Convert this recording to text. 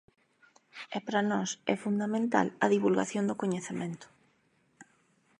E para nós é fundamental a divulgación do coñecemento.